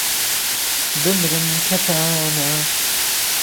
بمرم کهتانه